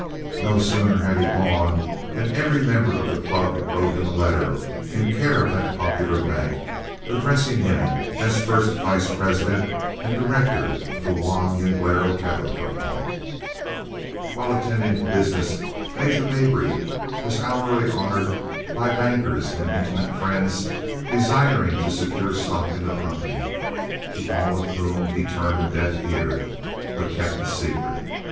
No sooner had he gone than every member of the club wrote him a letter, in care of that popular bank, addressing him as first vice president and director of The Juan Jinglero Cattle Company. While attending to business Major Mabry was hourly honored by bankers and intimate friends desiring to secure stock in the company, to all of whom he turned a deaf ear, but kept the secret.